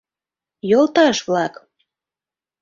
— Йолташ-влак!